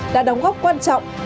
đã đóng góp quan trọng và sự chuyển